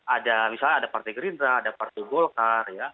ada misalnya ada partai gerindra ada partai golkar ya